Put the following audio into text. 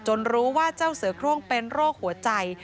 รู้ว่าเจ้าเสือโครงเป็นโรคหัวใจ